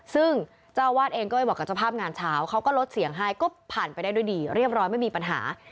ซึ่งเจ้าอาวาสเองก็ไปบอกกับเจ้าภาพงานเช้าเขาก็ลดเสียงให้ก็ผ่านไปได้ด้วยดีเรียบร้อยไม่มีปัญหา